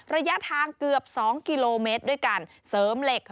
ระยะทางเกือบ๒กิโลเมตรด้วยการเสริมเหล็ก